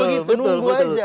biasanya begitu nunggu aja